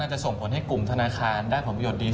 จะส่งผลให้กลุ่มธนาคารได้ผลประโยชน์ดี